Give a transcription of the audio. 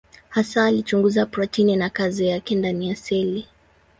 Hasa alichunguza protini na kazi yake ndani ya seli.